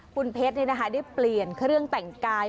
คุณเพชรเนี่ยนะคะได้เปลี่ยนเครื่องแต่งกาย